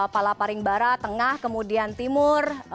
palaparing barat tengah kemudian timur